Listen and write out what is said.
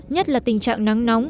nhất là tình trạng nắng nóng